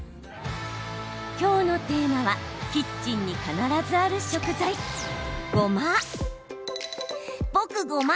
今日のテーマはキッチンに必ずある食材、ごま。